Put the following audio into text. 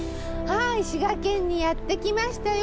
はい滋賀県にやって来ましたよ